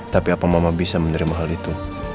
tapi apa mama bisa menerima hal itu